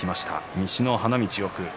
西の花道奥です。